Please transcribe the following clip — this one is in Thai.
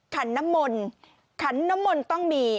ขันนมลขันนมลต้องมี